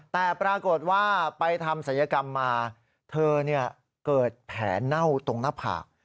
แต่ปรากฏว่าไปทำศัลยกรรมมาเธอเกิดแผลเน่าตรงหน้าผาก